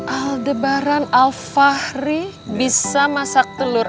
aldebaran alfahri bisa masak telur